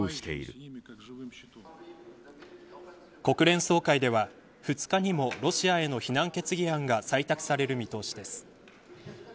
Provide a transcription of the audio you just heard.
国連総会では２日にもロシアへの非難決議案が採択される見通しです。